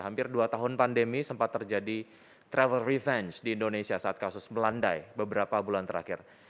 hampir dua tahun pandemi sempat terjadi travel revenge di indonesia saat kasus melandai beberapa bulan terakhir